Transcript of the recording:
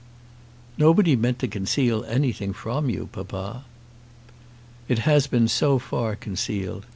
"Nobody meant to conceal anything from you, papa." "It has been so far concealed.